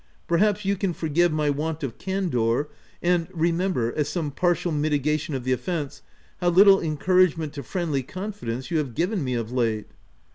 Perhaps you can forgive my want of candour, and, re member, as some partial mitigation of the of fence, how little encouragement to friendly con fidence you have given me of late."